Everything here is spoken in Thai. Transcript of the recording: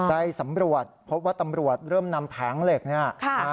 ได้สำรวจพบว่าตำรวจเริ่มนำแผงเหล็กเนี่ย